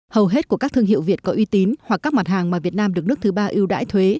hầu hết của các thương hiệu việt có uy tín hoặc các mặt hàng mà việt nam được nước thứ ba ưu đãi thuế